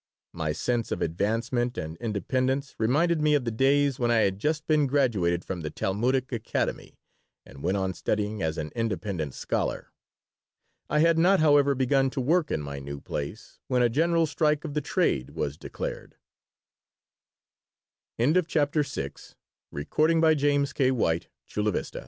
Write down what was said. My sense of advancement and independence reminded me of the days when I had just been graduated from the Talmudic Academy and went on studying as an "independent scholar." I had not, however, begun to work in my new place when a general strike of the trade was declared CHAPTER VII THE Cloak makers' Union had been a weak, insignific